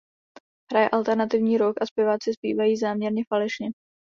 Hraje alternativní rock a zpěváci zpívají záměrně falešně.